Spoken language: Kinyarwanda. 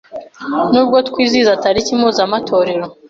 Nubwo twizihiza tariki ya mpuzamatorero